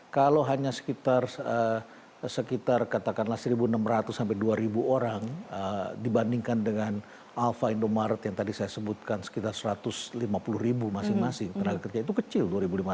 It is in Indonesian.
kalau hanya sekitar seribu enam ratus dua ribu orang dibandingkan dengan alfa indomaret yang tadi saya sebutkan sekitar satu ratus lima puluh ribu masing masing tenaga kerja itu kecil